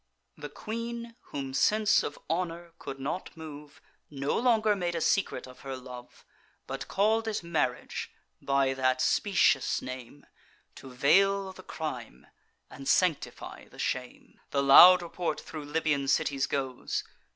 The queen, whom sense of honour could not move, No longer made a secret of her love, But call'd it marriage, by that specious name To veil the crime and sanctify the shame. The loud report thro' Libyan cities goes.